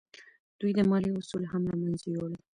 دوی د مالیې اصول هم له منځه یوړل.